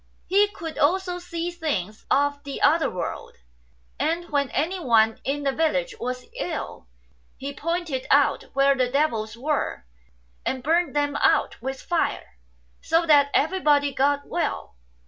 He could also see things of the other world ; and when anyone in the village was ill, he pointed out where the devils were, and burnt them out with fire, so that everybody got well.